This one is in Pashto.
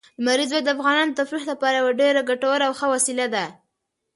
لمریز ځواک د افغانانو د تفریح لپاره یوه ډېره ګټوره او ښه وسیله ده.